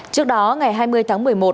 trước đó ngày hai mươi tháng một mươi một